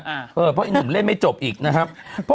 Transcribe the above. เพราะอีกหนุ่มเล่นไม่จบอีกนะครับ